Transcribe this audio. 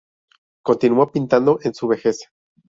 Continuó pintando en su vejez.